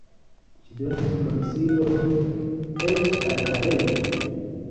Ŝi donis konsilojn eĉ al la reĝo.